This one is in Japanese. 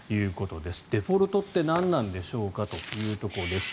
デフォルトって何なんでしょうかというところです。